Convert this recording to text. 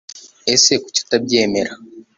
ese kuki utabyemera